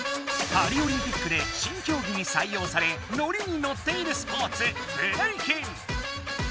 パリオリンピックで新競技にさい用されノリにノッているスポーツブレイキン！